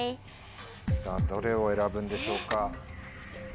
さぁどれを選ぶんでしょうか。